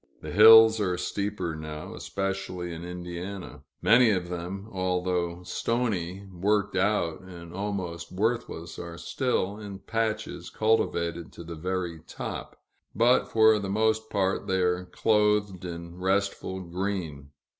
The hills are steeper, now, especially in Indiana; many of them, although stony, worked out, and almost worthless, are still, in patches, cultivated to the very top; but for the most part they are clothed in restful green.